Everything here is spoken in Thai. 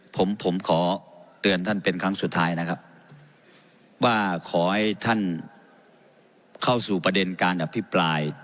ผมผมขอเตือนท่านเป็นครั้งสุดท้ายนะครับว่าขอให้ท่านเข้าสู่ประเด็นการอภิปราย